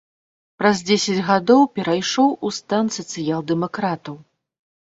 Праз дзесяць гадоў перайшоў у стан сацыял-дэмакратаў.